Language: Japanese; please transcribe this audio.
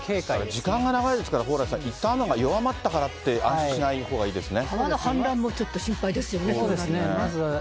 時間が長いですから、蓬莱さん、いったん雨が弱まったからって、安心しないほうがいいですね。